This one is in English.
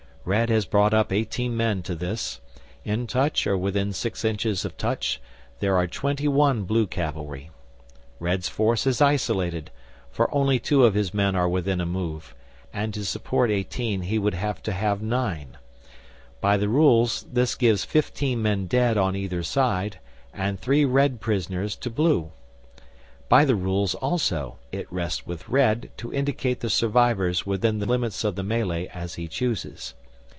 Red has brought up eighteen men to this; in touch or within six inches of touch there are twenty one Blue cavalry. Red's force is isolated, for only two of his men are within a move, and to support eighteen he would have to have nine. By the rules this gives fifteen men dead on either side and three Red prisoners to Blue. By the rules also it rests with Red to indicate the survivors within the limits of the melee as he chooses.